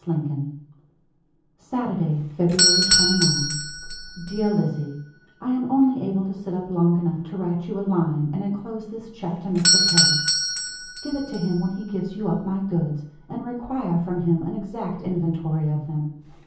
LINCOLN." "SATURDAY, Feb. 29. "DEAR LIZZIE: I am only able to sit up long enough to write you a line and enclose this check to Mr. K. Give it to him when he gives you up my goods, and require from him an exact inventory of them.